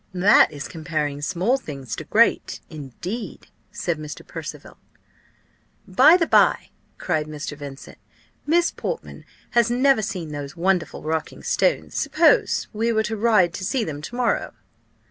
"That is comparing small things to great, indeed!" said Mr. Percival. "By the by," cried Mr. Vincent, "Miss Portman has never seen those wonderful rocking stones suppose we were to ride to see them to morrow?"